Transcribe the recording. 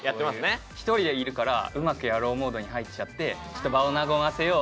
１人でいるからうまくやろうモードに入っちゃってちょっと場を和ませよう。